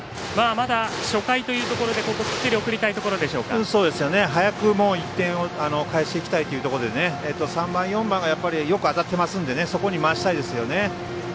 まだ、初回というところできっちり早く１点を返していきたいというところで３番、４番がよく当たってますからそこに回したいですよね。